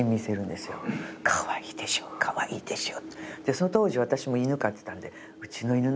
その当時私も犬飼ってたんで。